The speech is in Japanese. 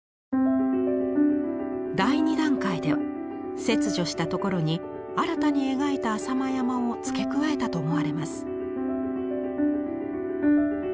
第二段階では切除したところに新たに描いた浅間山を付け加えたと思われます。